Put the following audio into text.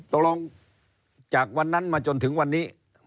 ตกลงจากวันนั้นมาจนถึงวันนี้